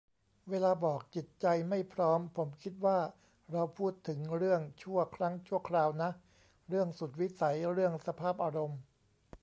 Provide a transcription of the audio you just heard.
เวลาบอก "จิตใจไม่พร้อม" ผมคิดว่าเราพูดถึงเรื่องชั่วครั้งชั่วคราวนะ เรื่องสุดวิสัย เรื่องสภาพอารมณ์